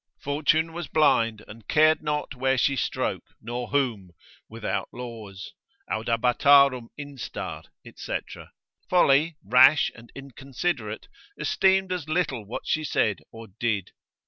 Fortune was blind and cared not where she stroke, nor whom, without laws, Audabatarum instar, &c. Folly, rash and inconsiderate, esteemed as little what she said or did.